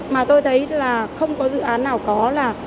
mà tôi thấy là không có dự án nào có là